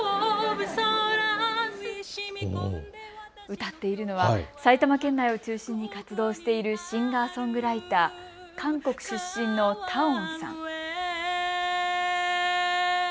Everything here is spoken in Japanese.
歌っているのは埼玉県内を中心に活動しているシンガーソングライター、韓国出身のＴＡＯＮさん。